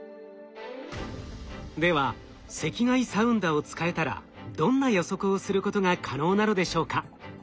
では赤外サウンダを使えたらどんな予測をすることが可能なのでしょうか？